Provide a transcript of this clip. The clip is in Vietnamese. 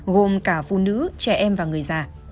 gồm cả phụ nữ trẻ em và người già